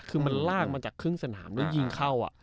คือมันลากมาจากครึ่งสนามแล้วยิงเข้า